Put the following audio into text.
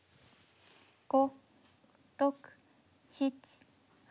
５６７８。